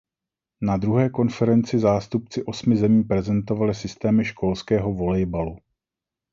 Na druhé konferenci zástupci osmi zemí prezentovali systémy školského volejbalu.